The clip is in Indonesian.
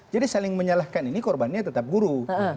jadi saling menyalahkan ini korbannya tetap guru